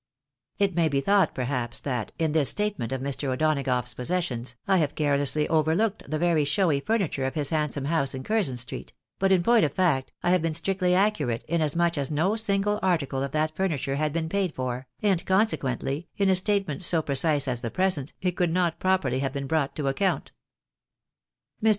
It may be thought, perhaps, that, in this statement of Mr. O'Donagough's possessions, I have carelessly overlooked the very showy furniture of his handsome house in Curzon street ; but, in point of fact, I have been strictly accurate inasmuch as no single article of that furniture had been paid for, and consequently, in a statement so precise as the present, it could not properly have been brought to account. Mr.